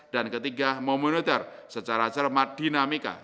dan ketiga memonitor secara cermat dinamika